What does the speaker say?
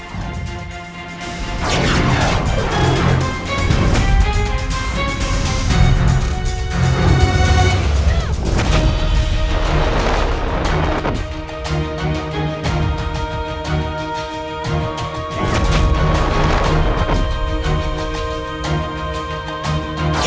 ia harus melakukan sesuatu